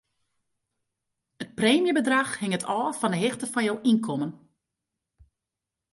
It preemjebedrach hinget ôf fan 'e hichte fan jo ynkommen.